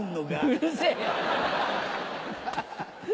うるせぇよ！